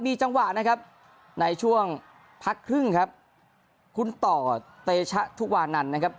มีจังหวะนะครับในช่วงพักครึ่งครับคุณต่อเตชะทุวานันนะครับ